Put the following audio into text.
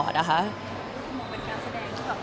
มุมเป็นการแสดง